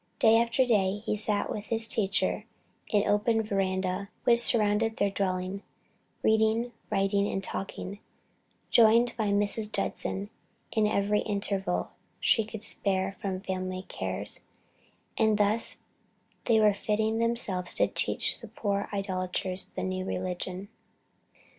Day after day he sat with his teacher in the open verandah which surrounded their dwelling, reading, writing, and talking, joined by Mrs. Judson in every interval she could spare from family cares, and thus were they fitting themselves to teach to the poor idolaters the new religion.